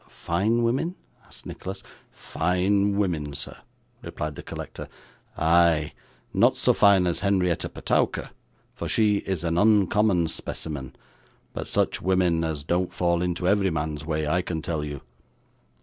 'Fine women?' asked Nicholas. 'Fine women, sir!' replied the collector; 'ay! not so fine as Henrietta Petowker, for she is an uncommon specimen, but such women as don't fall into every man's way, I can tell you.